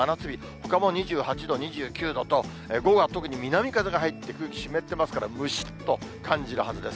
ほかも２８度、２９度と、午後は特に南風が入って、空気湿ってますから、むしっと感じられるはずです。